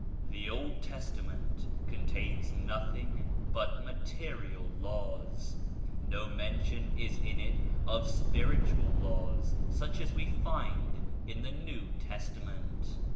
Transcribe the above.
The Old Testament contain? nothing but material laws; no mention is in it of spiritual laws such as we find in the New Testament.